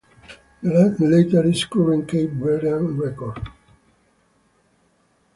The latter is the current Cape Verdean record.